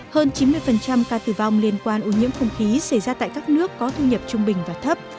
hơn chín mươi ca tử vong liên quan ô nhiễm không khí xảy ra tại các nước có thu nhập trung bình và thấp